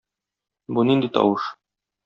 Бу нинди тавыш?